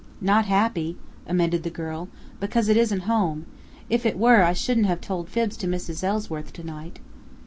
"Not happy," amended the girl. "Because it isn't home. If it were, I shouldn't have told fibs to Mrs. Ellsworth to night."